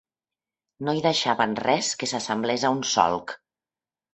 No hi deixaven res que s'assemblés a un solc